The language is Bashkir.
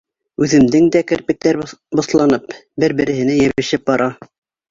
Үҙемдең дә керпектәр боҫланып, бер-береһенә йәбешеп бара.